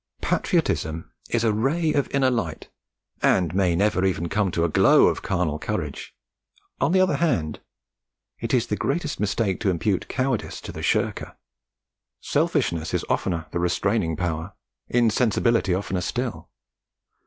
Patriotism is a ray of inner light, and may never even come to a glow of carnal courage; on the other hand, it is the greatest mistake to impute cowardice to the shirker. Selfishness is oftener the restraining power, insensibility oftener still.